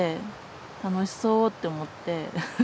楽しそうって思って。